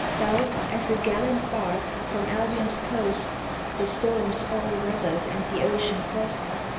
Thou— as a gallant bark, from Albion's coast. (The storms all weathered and the ocean crossed.)